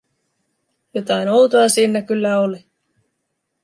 Jotain outoa siinnä kyllä oli.